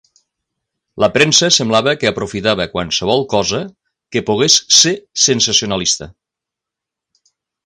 La premsa semblava que aprofitava qualsevol cosa que pogués ser sensacionalista.